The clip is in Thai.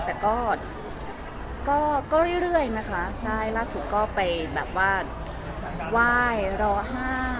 แต่ก็ก็เรื่อยเรื่อยนะคะใช่ล่าสุดก็ไปแบบว่าไหว้รอห้า